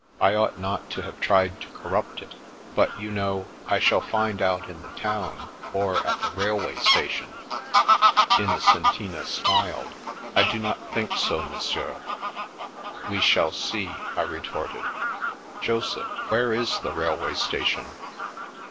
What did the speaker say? I ought not to have tried to corrupt it. But, you know, I shall find out in the town, or at the railway station." Innocentina smiled. " I do not think so, Mon sieur." We shall see," I retorted. "Joseph, where is the railway station